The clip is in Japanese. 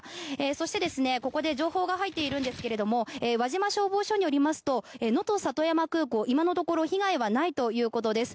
そして、ここで情報が入っているんですが輪島消防署によりますとのと里山空港今のところ被害はないということです。